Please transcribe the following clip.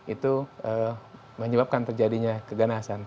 itu menyebabkan terjadinya keganasan